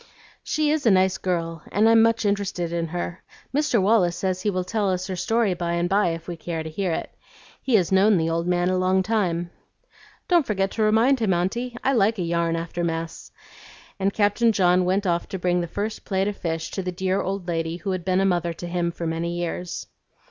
"She is a nice girl, and I'm much interested in her. Mr. Wallace says he will tell us her story by and by if we care to hear it. He has known the old man a long time." "Don't forget to remind him, Aunty. I like a yarn after mess;" and Captain John went off to bring the first plate of fish to the dear old lady who had been a mother to him for many years.